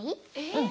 うん。